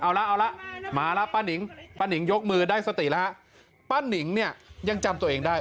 เอาละเอาละมาแล้วป้านิงป้านิงยกมือได้สติแล้วฮะป้านิงเนี่ยยังจำตัวเองได้